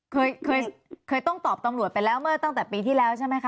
เคยเคยต้องตอบตำรวจไปแล้วเมื่อตั้งแต่ปีที่แล้วใช่ไหมคะ